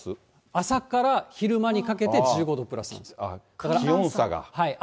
朝から昼間にかけて１５度プラスなんですよ。